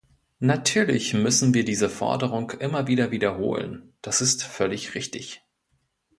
Natürlich müssen wir diese Forderung immer wieder wiederholen, das ist völlig richtig.